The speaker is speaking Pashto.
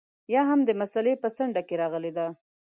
یا هم د مسألې په څنډه کې راغلې ده.